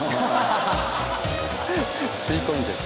吸い込んでる。